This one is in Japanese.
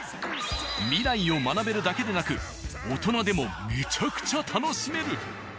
未来を学べるだけでなく大人でもめちゃくちゃ楽しめる。